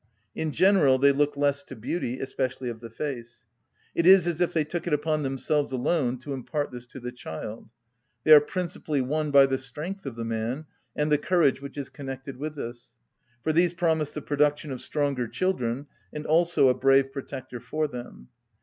In general they look less to beauty, especially of the face. It is as if they took it upon themselves alone to impart this to the child. They are principally won by the strength of the man, and the courage which is connected with this; for these promise the production of stronger children, and also a brave protector for them.